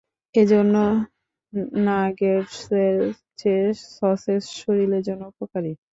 এ জন্য নাগেটসের চেয়ে সসেজ শরীরের জন্য উপকারী।